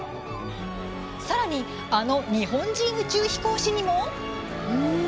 さらにあの日本人宇宙飛行士にも。